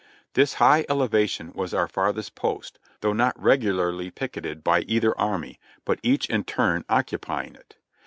This high elevation was our farthest post, though not regularly picketed by either army, but each in turn occupying it.